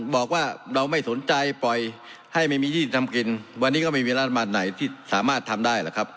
บอกว่าเราไม่สนใจปล่อยให้ไม่มีที่ทำกินวันนี้ก็ไม่มีรัฐบาลไหนที่สามารถทำได้หรอกครับ